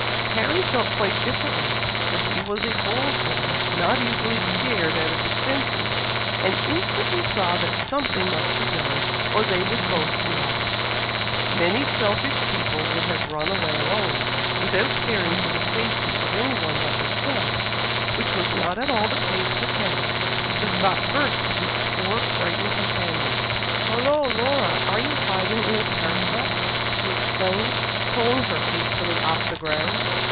Harry felt quite differently, for he was a bold boy, not easily scared out of his senses, and instantly saw that something must be done, or they would both be lost. Many selfish people would have run away alone, without caring for the safety of any one but themselves, which was not at all the case with Harry, who thought first of his poor frightened companion. "Hollo, Laura! are you hiding in a cart rut?" he exclaimed, pulling her hastily off the ground.